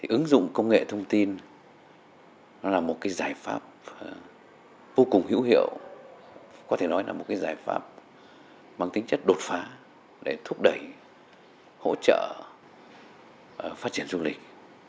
ứng dụng công nghệ thông tin là một giải pháp vô cùng hữu hiệu có thể nói là một giải pháp mang tính chất đột phá để thúc đẩy hỗ trợ phát triển du lịch